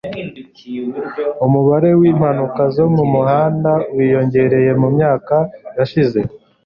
umubare wimpanuka zo mumuhanda wiyongereye mumyaka yashize